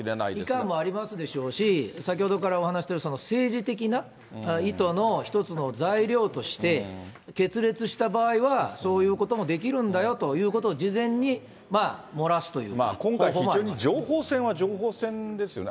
いかんもありますでしょうし、先ほどからお話してる、政治的な意図の一つの材料として、決裂した場合はそういうこともできるんだよということを事前に漏今回、非常に情報戦は情報戦